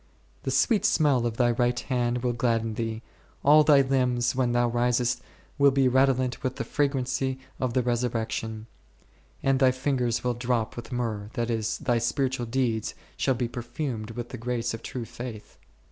The sweet smell of thy right hand will gladden thee, all thy limbs, when thou risest, will be redolent with the fragrancy of the Resurrection, and thy fingers will drop with f Cant. v. 3. O o o c j ©n i^olg 'Ftrgtm'tg, 33 j myrrh, that is, thy spiritual deeds shall be perfumed with the grace of true faith.